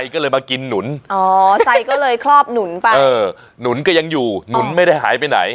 ก็เลยมากินหนุนอ๋อไซก็เลยครอบหนุนไปเออหนุนก็ยังอยู่หนุนไม่ได้หายไปไหน